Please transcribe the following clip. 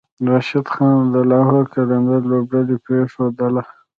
راشد خان د لاهور قلندرز لوبډله پریښودله